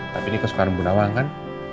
tapi ini kesukaan bu nawang kan